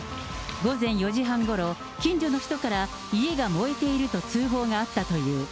午前４時半ごろ、近所の人から、家が燃えていると通報があったという。